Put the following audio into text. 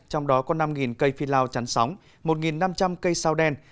trong đó có năm cây phi lao chắn sóng một năm trăm linh cây sao đen